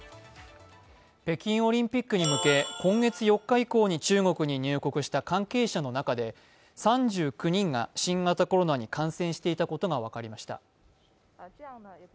北京オリンピックに向け今月４日以降に中国に入国した関係者の中で、３９人が新型コロナに感染していたことが分かりました。